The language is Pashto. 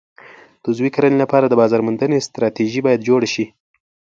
د عضوي کرنې لپاره د بازار موندنې ستراتیژي باید جوړه شي.